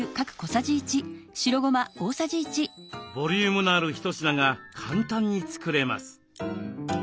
ボリュームのある一品が簡単に作れます。